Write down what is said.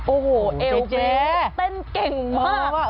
อ้อแอวเฟรกเต้นเก่งมาก